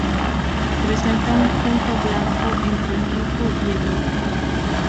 Presenta un punto blanco entre el pico y el ojo.